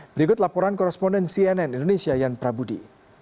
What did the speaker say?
berikut laporan koresponden cnn indonesia yan prabudi